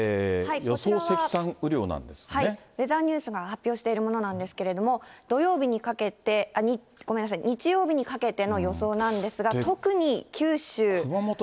ウェザーニューズが発表しているものなんですけれども、土曜日にかけて、ごめんなさい、日曜日にかけての予想なんですが、特に九州。